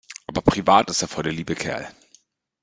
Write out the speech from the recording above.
Aber privat ist er voll der liebe Kerl.